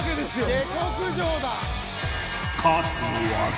下克上だ